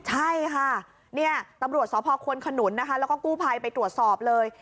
ใช่ค่ะเนี่ยตำรวจสพควนขนุนนะคะแล้วก็กู้ภัยไปตรวจสอบเลย